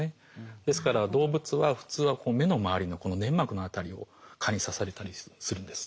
ですから動物は普通は目の周りのこの粘膜の辺りを蚊に刺されたりするんです。